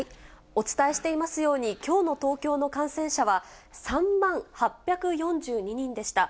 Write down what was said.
お伝えしていますように、きょうの東京の感染者は３万８４２人でした。